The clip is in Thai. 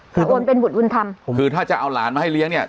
คือโอนเป็นบุตรบุญธรรมคือถ้าจะเอาหลานมาให้เลี้ยงเนี่ย